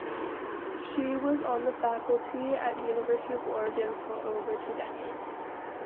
She was on the faculty at University of Oregon for over two decades.